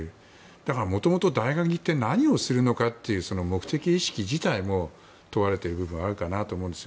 だから、もともと大学に行って一体何をするのかという目的意識自体も問われているところがあるかなと思うんです。